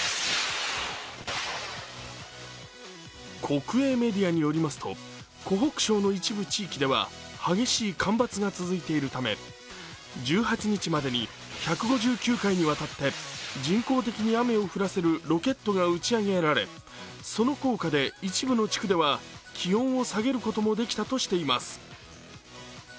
国営メディアによりますと湖北省の一部地域では激しい干ばつが続いているため１８日までに１５９回にわたって人工的に雨を降らせるロケットが打ち上げられその効果で一部の地区では気温を下げることができたとしています。